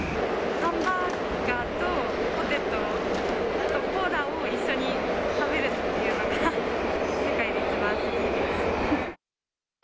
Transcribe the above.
ハンバーガーとポテトとコーラを一緒に食べるっていうのが世界で一番好きです。